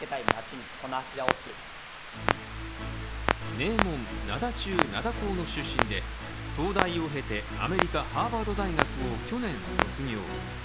名門、灘中・灘高の出身で東大を経てアメリカ・ハーバード大学を去年卒業。